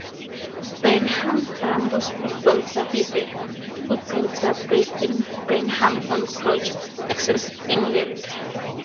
Burnham Ramblers Football Club is a football club based in Burnham-on-Crouch, Essex, England.